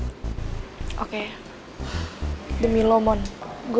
ya meskipun gue tersenyum aja gue bisa berpikir pikir sama raya ke gue